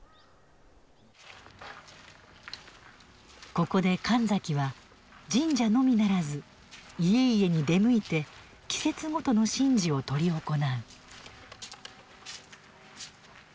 ここで神崎は神社のみならず家々に出向いて季節ごとの神事を執り行う。